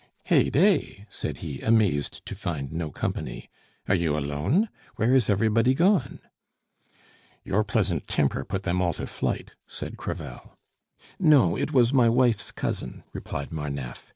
"Hey day!" said he, amazed to find no company. "Are you alone? Where is everybody gone?" "Your pleasant temper put them all to flight," said Crevel. "No, it was my wife's cousin," replied Marneffe.